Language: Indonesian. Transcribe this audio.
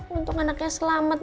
untung anaknya selamat